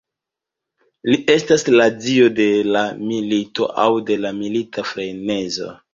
Li estas la dio de la milito aŭ de la milita frenezo.